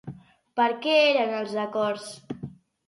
Per què eren els acords?